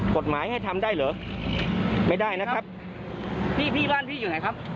กฎหมายให้ทำได้เหรอไม่ได้นะครับพี่พี่บ้านพี่อยู่ไหนครับ